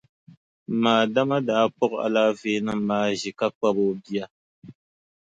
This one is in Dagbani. M ma Adama daa kpuɣi alaafeenima maa ʒi ka kpabi o bia.